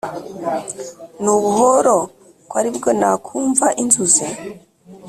nubuhoro ko aribwo nakumva inzuzi